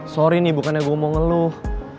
sorry nih bukannya gue mau ngeluh